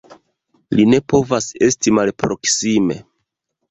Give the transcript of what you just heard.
Li ne povas esti malproksime!